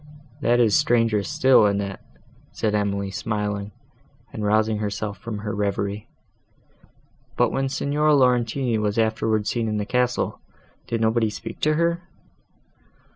"That is stranger still, Annette," said Emily, smiling, and rousing herself from her reverie. "But, when Signora Laurentini was afterwards seen in the castle, did nobody speak to her?"